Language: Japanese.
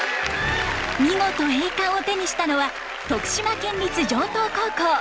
見事栄冠を手にしたのは徳島県立城東高校。